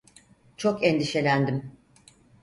Çok endişelendim.